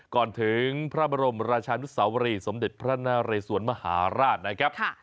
ก่อนถึงพระบรมราชานุสาวรีสมเด็จพระนาเรสวนมหาราชนะครับ